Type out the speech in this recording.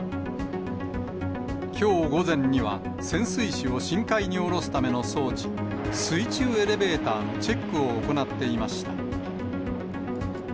きょう午前には、潜水士を深海に下ろすための装置、水中エレベーターのチェックを行っていました。